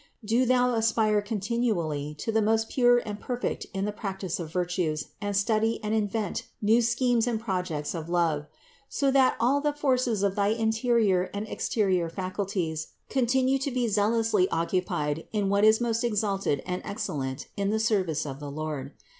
Do thou aspire continually to the most pure and perfect in the practice of virtues and study and invent new schemes and projects of love; so that all the forces of thy interior and exterior faculties continue to be zealously occupied in what is most exalted and ex cellent in the service of the Lord.